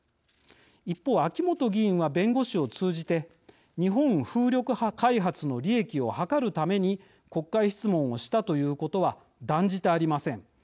一方、秋本議員は弁護士を通じて「日本風力開発の利益を図るために国会質問をしたということは断じてありません。